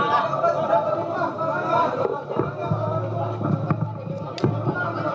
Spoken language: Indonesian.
jauh jauh jauh dari malaysia katar